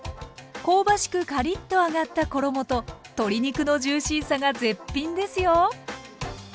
香ばしくカリッと揚がった衣と鶏肉のジューシーさが絶品ですよ！